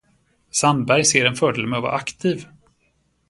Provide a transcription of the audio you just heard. Sandberg ser en fördel med att vara aktiv.